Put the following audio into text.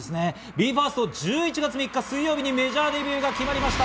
ＢＥ：ＦＩＲＳＴ、１１月３日水曜日にメジャーデビューが決まりました。